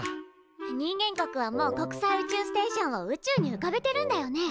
人間国はもう国際宇宙ステーションを宇宙にうかべてるんだよね。